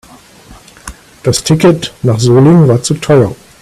Das Ticket nach Solingen war zu teuer